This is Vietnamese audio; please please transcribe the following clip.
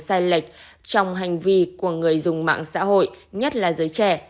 sai lệch trong hành vi của người dùng mạng xã hội nhất là giới trẻ